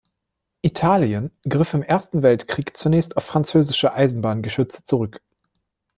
Italien griff im Ersten Weltkrieg zunächst auf französische Eisenbahngeschütze zurück.